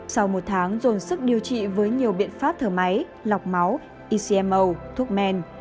sau một tháng dồn sức điều trị với nhiều biện pháp thở máy lọc máu icmo thuốc men